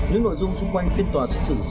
những nội dung xung quanh phiên tòa xét xử